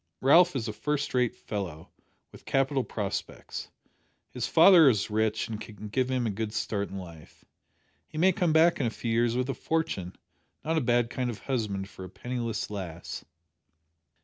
Ralph is a first rate fellow, with capital prospects. His father is rich and can give him a good start in life. He may come back in a few years with a fortune not a bad kind of husband for a penniless lass."